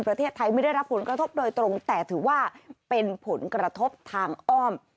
ประเทศไทยไม่ได้รับผลกระทบโดยตรงแต่ถือว่าเป็นผลกระทบทางอ้อม